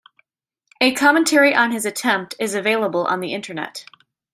A commentary on his attempt is available on the Internet.